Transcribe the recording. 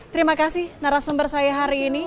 terima kasih narasumber saya hari ini